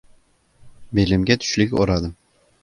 Belimga tushlik o‘radim.